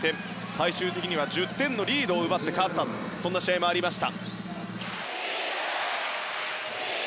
最終的には１０点のリードを奪って勝ったそんな試合もありました。